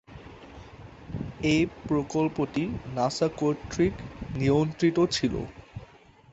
এ প্রকল্পটি নাসা কর্তৃক নিয়ন্ত্রিত ছিল।